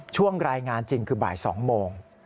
ช่วงรายงานจริงคือบ่าย๒โมง